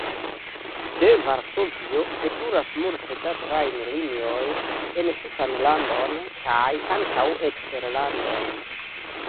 De Varsovio veturas multe da trajnlinioj en tutan landon kaj ankaŭ eksterlanden.